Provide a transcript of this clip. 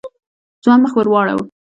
ځوان مخ ور واړاوه.